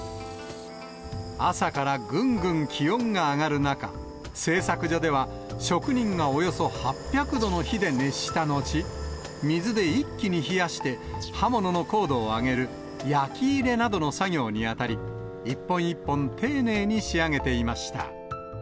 朝からぐんぐん気温が上がる中、製作所では、職人がおよそ８００度の火で熱した後、水で一気に冷やして、刃物の硬度を上げる、焼き入れなどの作業に当たり、一本一本丁寧に仕上げていました。